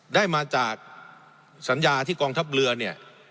ได้มาจากสัญญาที่กองทัพเรือเนี่ย